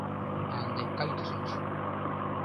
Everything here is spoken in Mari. А ынде кай тышеч!